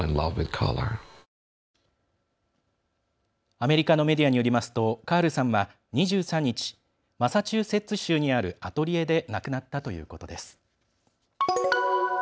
アメリカのメディアによりますとカールさんは２３日マサチューセッツ州にあるアトリエで亡くなったということです。